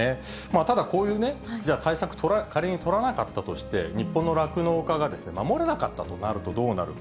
ただこういうね、対策、仮に取らなかったとして、日本の酪農家が守れなかったとなるとどうなるか。